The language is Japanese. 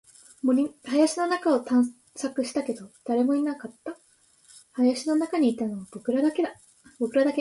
林の中を探索したけど、誰もいなかった。林の中にいたのは僕らだけ。